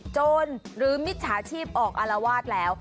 จนหรือมิจฉาชีพออกอารวาสแล้ว